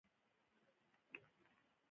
بيا وزگار سوم.